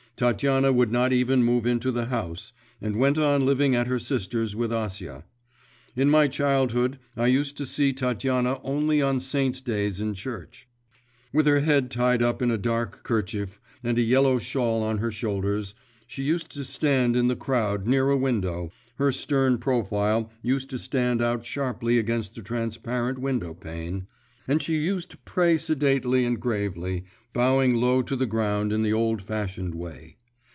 Tatiana would not even move into the house, and went on living at her sister's with Acia. In my childhood I used to see Tatiana only on saints' days in church. With her head tied up in a dark kerchief, and a yellow shawl on her shoulders, she used to stand in the crowd, near a window her stern profile used to stand out sharply against the transparent window pane and she used to pray sedately and gravely, bowing low to the ground in the old fashioned way.